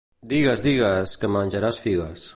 Digues, digues, que menjaràs figues.